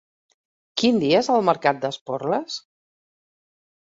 Quin dia és el mercat d'Esporles?